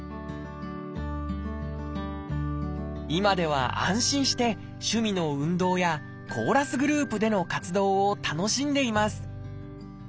今では安心して趣味の運動やコーラスグループでの活動を楽しんでいます。